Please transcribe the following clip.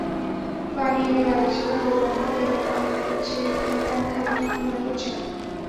পানি এলেই বাংলাদেশে ভয়াবহ বন্যা হবে, এমনটা আমরা মনে করছি না।